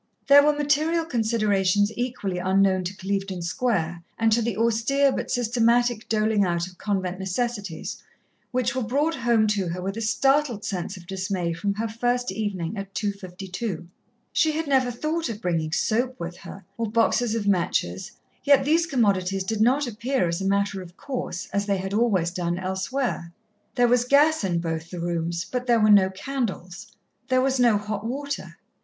There were material considerations equally unknown to Clevedon Square and to the austere but systematic doling out of convent necessities, which were brought home to her with a startled sense of dismay from her first evening at 252. She had never thought of bringing soap with her, or boxes of matches, yet these commodities did not appear as a matter of course, as they had always done elsewhere. There was gas in both the rooms, but there were no candles. There was no hot water.